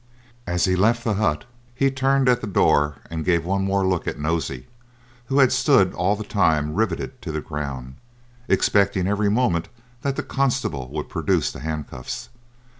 As he left the hut, he turned at the door and gave one more look at Nosey, who had stood all the time rivetted to the ground, expecting every moment that the constable would produce the handcuffs.